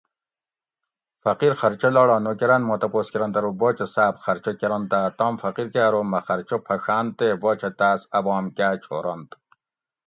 فقیر خرچہ لاڑا نوکراۤن ما تپوس کرنت ارو باچہ صاۤب خرچہ کرنتاۤ تام فقیر کہ ارو مہ خرچہ پھڛاۤن تے باچہ تاۤس ابام کاۤ چھورنت